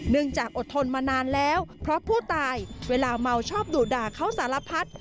จากอดทนมานานแล้วเพราะผู้ตายเวลาเมาชอบดุด่าเขาสารพัด